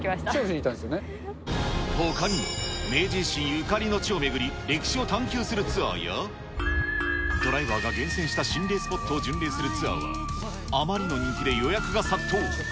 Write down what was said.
ほかにも、明治維新ゆかりの地を巡り、歴史を探求するツアーや、ドライバーが厳選した心霊スポットを巡礼するツアーは、あまりの人気で予約が殺到。